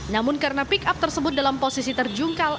namun karena pick up tersebut dalam posisi terjungkal